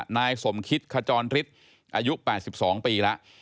นายสมคิตขจรฤทธิ์อายุ๘๒ปีแล้ว